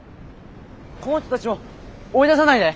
この人たちを追い出さないで！